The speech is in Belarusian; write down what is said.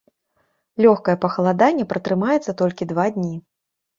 Лёгкае пахаладанне пратрымаецца толькі два дні.